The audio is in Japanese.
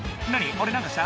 俺何かした？」